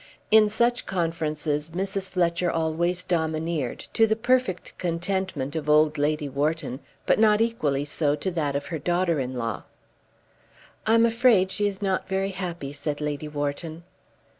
In such conferences Mrs. Fletcher always domineered, to the perfect contentment of old Lady Wharton, but not equally so to that of her daughter in law. "I'm afraid she is not very happy," said Lady Wharton.